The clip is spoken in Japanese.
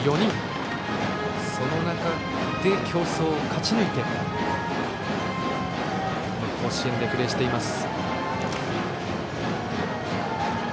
その中で、競争を勝ち抜いてこの甲子園でプレーしています。